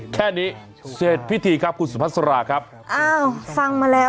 แค่นี้เสร็จพิธีครับคุณสุพัสราครับอ้าวฟังมาแล้ว